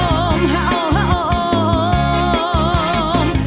โอ้มฮะโอ้ฮะโอ้ม